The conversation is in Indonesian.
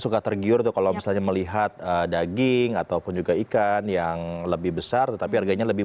suka tergiur tuh kalau misalnya melihat daging ataupun juga ikan yang lebih besar tetapi harganya lebih